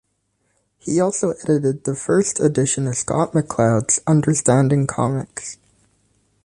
He also edited the first edition of Scott McCloud's "Understanding Comics".